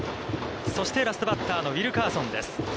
そしてラストバッターのウィルカーソンです。